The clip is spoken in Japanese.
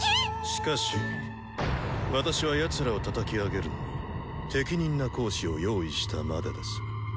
しかし私はやつらをたたき上げるのに適任な講師を用意したまでです。